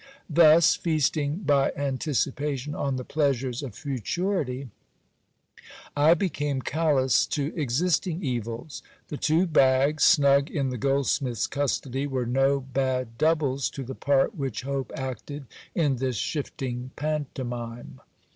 Thus, feasting by anticipation on the pleasures of futurity, I became callous to existing evils. The two bags, snug in the goldsmith's custody, were no bad doubles to the part which hope acted in this shifting pantomime.